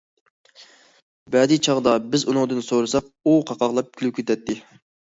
بەزى چاغدا بىز ئۇنىڭدىن سورىساق ئۇ قاقاقلاپ كۈلۈپ كېتەتتى.